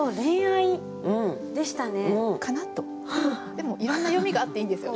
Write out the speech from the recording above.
でもいろんな読みがあっていいんですよ。